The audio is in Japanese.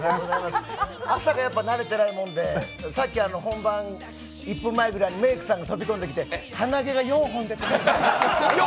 朝、やっぱり慣れてないもんで、さっき本番１分ぐらい前にメイクさんが飛び込んできて鼻毛が４本出ていますと。